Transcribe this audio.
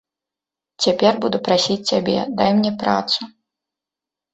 Цяпер буду прасіць цябе, дай мне працу.